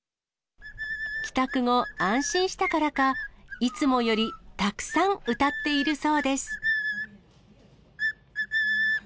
帰宅後、安心したからか、いつもよりたくさん歌っているそうです。